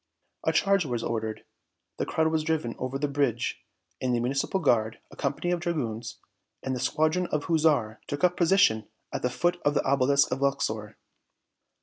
A charge was ordered, the crowd was driven over the bridge, and the Municipal Guard, a company of dragoons and a squadron of hussars took up a position at the foot of the Obelisk of Luxor.